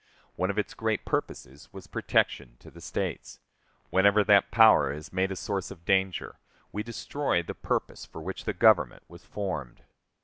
One of its great purposes was protection to the States. Whenever that power is made a source of danger, we destroy the purpose for which the Government was formed.